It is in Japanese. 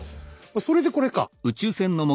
それでこれか。